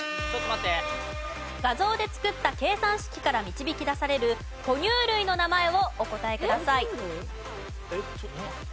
画像で作った計算式から導き出されるほ乳類の名前をお答えください。